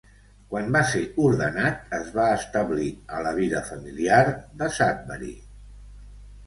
Quan va ser ordenat, es va establir a la vida familiar de Sudbury.